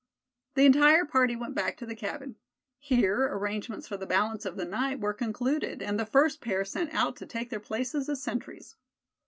The entire party went back to the cabin. Here arrangements for the balance of the night were concluded, and the first pair sent out to take their places as sentries.